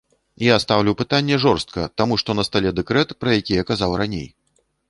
Я стаўлю пытанне жорстка таму, што на стале дэкрэт, пра які я казаў раней.